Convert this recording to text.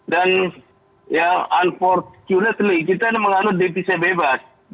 dan ya unfortunately kita mengandung devisa bebas